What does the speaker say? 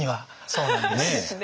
そうなんです。